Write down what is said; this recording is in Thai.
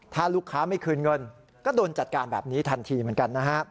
ถ้าลูกค้าไม่คืนเงินก็โดนจัดการแบบนี้ทันทีเหมือนกันนะฮะ